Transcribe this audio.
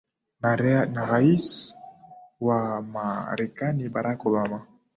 na rais wa marekani barack obama